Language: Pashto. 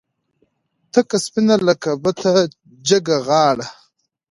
تکه سپینه لکه بته جګه غاړه